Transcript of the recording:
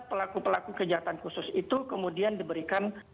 pelaku pelaku kejahatan khusus itu kemudian diberikan